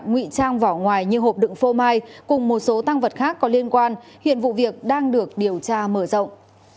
nguy trang vỏ ngoài như hộp đựng phô mai cùng một số tăng vật khác có liên quan hiện vụ việc đang được điều tra mở rộng